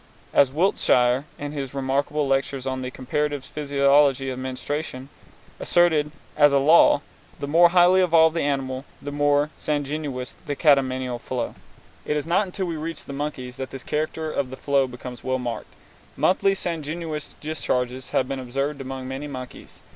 As Wiltshire, in his remarkable lectures on the "Comparative Physiology of Menstruation," asserted as a law, the more highly evolved the animal, the more sanguineous the catamenial flow. It is not until we reach the monkeys that this character of the flow becomes well marked. Monthly sanguineous discharges have been observed among many monkeys.